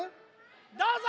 どうぞ！